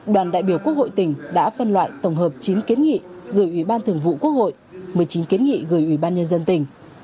đoàn đại biểu quốc hội tỉnh đã phân loại tổng hợp chín kiến nghị gửi ủy ban thường vụ quốc hội một mươi chín kiến nghị gửi ủy ban nhân dân tỉnh